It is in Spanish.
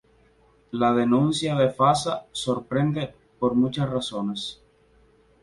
La denuncia de Fasa sorprende por muchas razones.